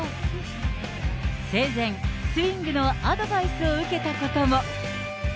生前、スイングのアドバイスを受けたことも。